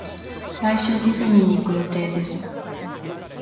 来週ディズニーに行く予定です